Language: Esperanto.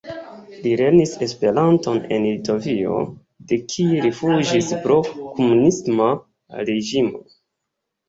Li lernis Esperanton en Litovio de kie li fuĝis pro komunisma reĝimo.